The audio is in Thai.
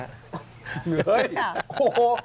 เฮ้ยโอ้โห